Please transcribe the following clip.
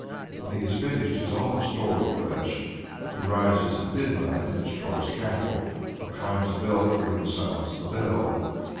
When he has finished his own store of flesh, he rises at midnight and destroys cattle, or climbs a belfry and sounds the bell.